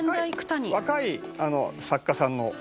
若い作家さんの。